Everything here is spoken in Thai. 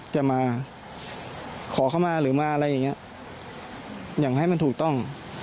จะมาขอเข้ามาหรือมาอะไรอย่างเงี้ยอย่างให้มันถูกต้อง